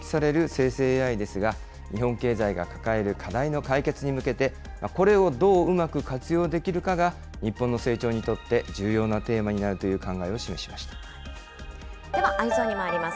生成ＡＩですが、日本経済が抱える課題の解決に向けて、これをどううまく活用できるかが日本の成長にとって重要なテーマではＥｙｅｓｏｎにまいります。